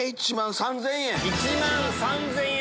１万３０００円！